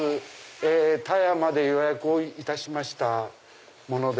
田山で予約をいたしました者ですが。